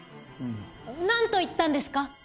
何と言ったんですか？